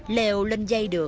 leo lên dây được